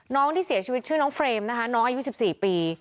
น้องที่เสียชีวิตชื่อน้องเฟรมนะคะน้องอายุ๑๔ปี